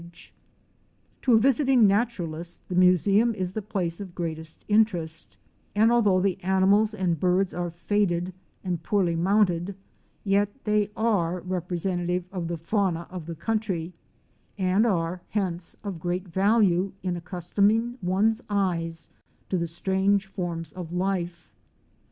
GEORGETOWN. 123 To a visiting naturalist the museum is the place of greatest interest, and although the ani mals and birds are faded and poorly mounted, yet they are representative of the fauna of the country and are hence of great value in accustoming one's eyes to the strange forms of life.